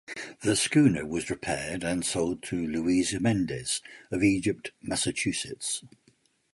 The schooner was repaired and sold to Louisa Mendes of Egypt, Massachusetts.